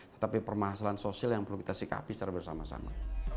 tetapi permasalahan sosial yang perlu kita sikapi secara bersama sama